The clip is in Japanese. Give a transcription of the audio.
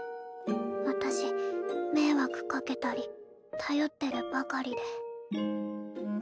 私迷惑かけたり頼ってるばかりで。